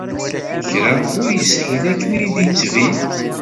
Kra ur yeshil akken i d-yettbin.